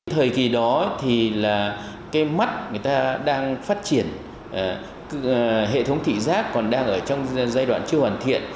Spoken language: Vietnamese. thời kỳ đó thì là cái mắt người ta đang phát triển hệ thống thị giác còn đang ở trong giai đoạn chưa hoàn thiện